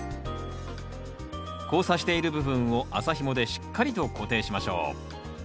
交差している部分を麻ひもでしっかりと固定しましょう。